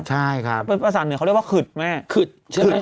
ใช่ครับเป็นภาษาเหนือเขาเรียกว่าขึดแม่ขึดใช่ไหม